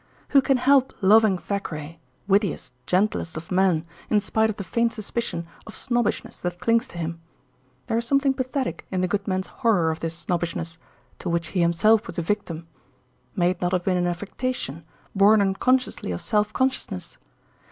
Who can help loving Thackeray, wittiest, gentlest of men, in spite of the faint suspicion of snobbishness that clings to him? There is something pathetic in the good man's horror of this snobbishness, to which he himself was a victim. May it not have been an affectation, born unconsciously of self consciousness?